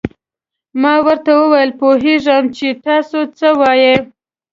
ما ورته وویل: پوهېږم چې تاسو څه وایئ.